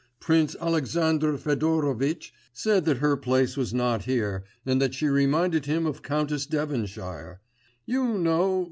Prince Alexandr Fedorovitch said that her place was not here, and that she reminded him of Countess Devonshire. You know